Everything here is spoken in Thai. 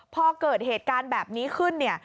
พอเกิดเหตุการณ์แบบนี้ขึ้นเนี่ย